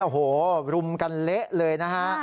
โอ้โหรุมกันเละเลยนะฮะ